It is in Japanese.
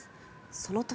その時。